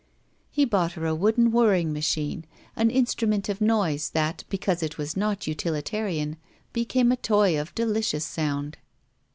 He bought her a wooden whirring machine, an instrtunent of noise that, because it was not utilitar ian, became a toy of delicious sound.